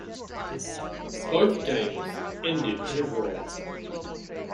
Both games ended in a draw.